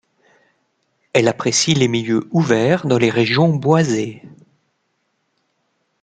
Elle apprécie les milieux ouverts dans les régions boisées.